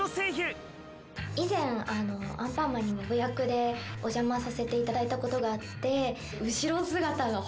以前『アンパンマン』にモブ役でお邪魔させていただいた事があって。